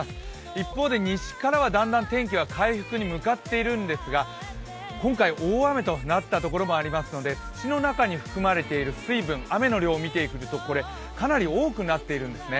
一方で西からはだんだん天気は回復に向かっているんですが今回、大雨となったところもありますので土の中に含まれている水分、雨の量見ていくとかなり多くなっているんですね